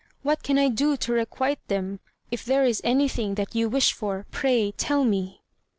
What can I do to requite them? If there is anything that you wish for, pray tell me."